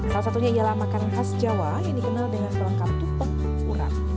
salah satunya ialah makanan khas jawa yang dikenal dengan kelengkap tupuk urap